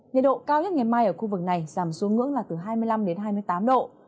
nhiệt độ cao nhất ngày mai ở khu vực này giảm xuống ngưỡng là từ hai mươi năm đến hai mươi tám độ